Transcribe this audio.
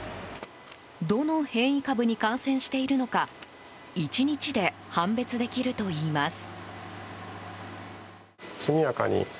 どの変異株に感染しているのか１日で判別できるといいます。